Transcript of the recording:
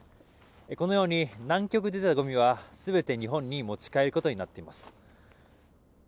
このように南極で出たゴミは全て日本に持ち帰ることになっています。